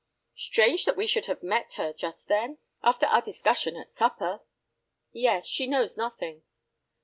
"Strange that we should have met her, just then!" "After our discussion at supper!" "Yes; she knows nothing."